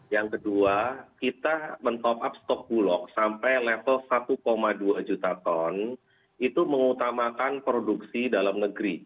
yang kedua kita mengembangkan stok bulok sampai level satu dua juta ton itu mengutamakan produksi dalam negeri